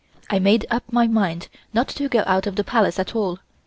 I made up my mind not to go out of the Palace at all.